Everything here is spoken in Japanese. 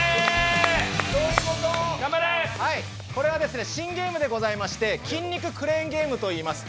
これは新ゲームでございまして、筋肉クレーンゲームといいます。